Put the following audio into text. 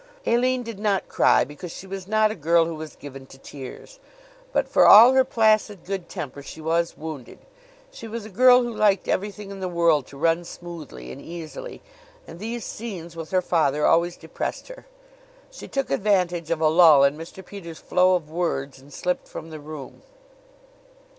Aline did not cry, because she was not a girl who was given to tears; but, for all her placid good temper, she was wounded. She was a girl who liked everything in the world to run smoothly and easily, and these scenes with her father always depressed her. She took advantage of a lull in Mr. Peters' flow of words and slipped from the room.